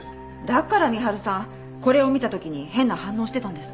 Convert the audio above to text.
だから深春さんこれを見た時に変な反応してたんですね。